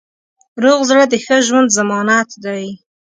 روغ زړه د ښه ژوند ضمانت دی.